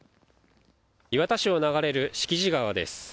磐田市を流れる敷地川です。